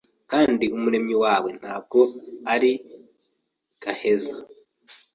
Kandi Umuremyi wawe ntabwo ari gaheza